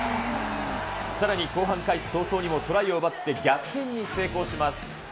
さらに、後半開始早々にもトライを奪って逆転に成功します。